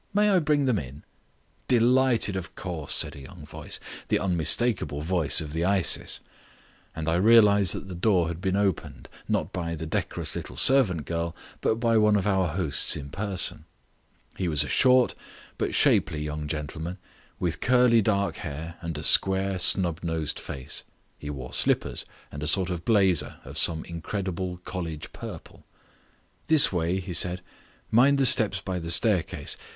May I bring them in?" "Delighted, of course," said a young voice, the unmistakable voice of the Isis, and I realized that the door had been opened, not by the decorous little servant girl, but by one of our hosts in person. He was a short, but shapely young gentleman, with curly dark hair and a square, snub nosed face. He wore slippers and a sort of blazer of some incredible college purple. "This way," he said; "mind the steps by the staircase.